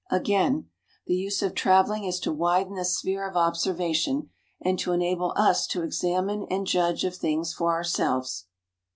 Again: "The use of traveling is to widen the sphere of observation, and to enable us to examine and judge of things for ourselves."